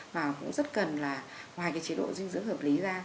và cũng rất cần là ngoài cái chế độ dinh dưỡng hợp lý ra